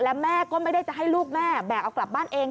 และแม่ก็ไม่ได้จะให้ลูกแม่แบกเอากลับบ้านเอง